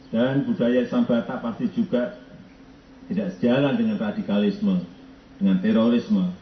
dan budaya islam batak pasti juga tidak sejalan dengan radikalisme dengan terorisme